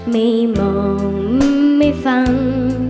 ไม่มองไม่ฟัง